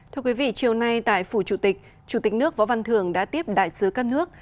thưa quý vị chiều nay tại phủ chủ tịch chủ tịch nước võ văn thường đã tiếp đại sứ các nước